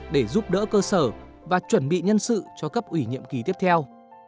để giúp đỡ cơ sở và chuẩn bị nhân sự cho cấp ủy nhiệm kỳ tiếp theo